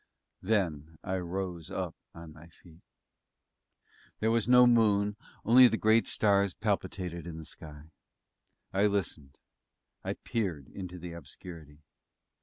Then I rose up on my feet. There was no moon, only the great stars palpitated in the sky. I listened; I peered into the obscurity.